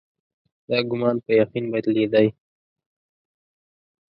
دا ګومان په یقین بدلېدی.